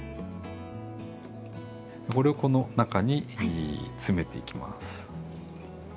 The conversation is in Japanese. これをこの中に詰めていきます。